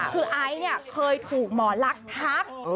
คือไอซ์เนี่ยเคยถูกหมอลักษณ์ทัก